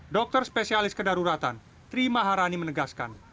dokter spesialis kedaruratan tri maharani menegaskan